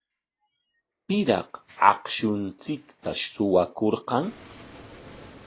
¿Piraq akshunchikta suwakurqan?